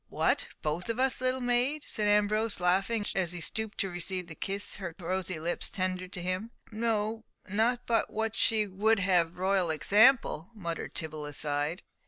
"What, both of us, little maid?" said Ambrose, laughing, as he stooped to receive the kiss her rosy lips tendered to him. "Not but what she would have royal example," muttered Tibble aside.